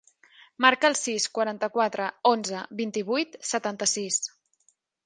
Marca el sis, quaranta-quatre, onze, vint-i-vuit, setanta-sis.